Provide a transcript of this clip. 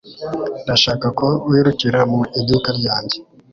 Ndashaka ko wirukira mu iduka ryanjye.